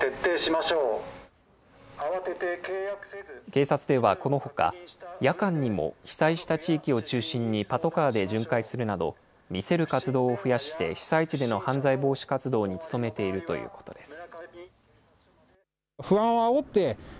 警察ではこのほか、夜間にも被災した地域を中心にパトカーで巡回するなど、見せる活動を増やして被災地での犯罪防止活動に努めているということです。